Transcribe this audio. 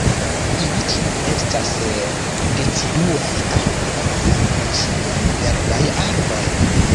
Ili ĉiuj estas deciduaj aŭ kvazaŭ-ĉiamverdaj arboj.